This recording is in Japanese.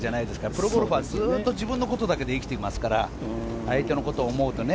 プロゴルファーずっと自分のことだけで生きていますから相手のことを思うとね。